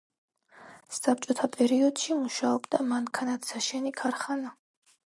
საბჭოთა პერიოდში მუშაობდა მანქანათსაშენი ქარხანა.